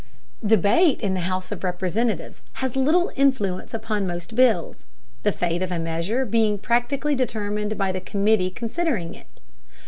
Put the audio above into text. Debate in the House of Representatives has little influence upon most bills, the fate of a measure being practically determined by the committee considering it.